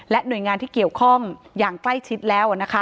หน่วยงานที่เกี่ยวข้องอย่างใกล้ชิดแล้วนะคะ